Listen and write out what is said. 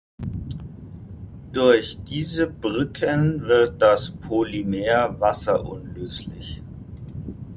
Durch diese Brücken wird das Polymer wasserunlöslich.